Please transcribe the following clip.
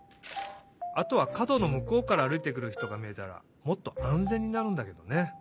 あとはかどのむこうからあるいてくるひとがみえたらもっとあんぜんになるんだけどね。